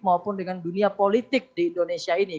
maupun dengan dunia politik di indonesia ini